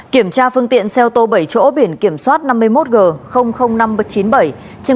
kiểm tra phương tiện xe ô tô bảy chỗ biển kiểm soát năm mươi một g năm trăm chín mươi bảy trên quốc lộ một a tỉnh bình thuận